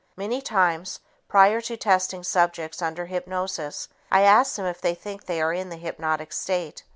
Many times, prior to testing subjects under hypnosis, I ask them if they think they are in the hypnotic state.